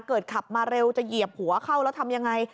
ขับมาเร็วจะเหยียบหัวเข้าแล้วทำยังไง